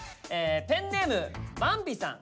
ペンネームバンビさん。